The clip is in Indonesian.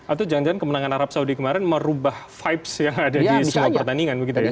atau jangan jangan kemenangan arab saudi kemarin merubah vibes yang ada di semua pertandingan begitu ya